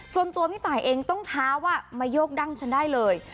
ส่วนตัวพี่ตายเองต้องท้าว่ามาโยกดั้งฉันได้เลย